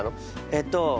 えっと